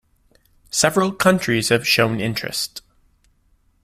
Several countries have shown interest.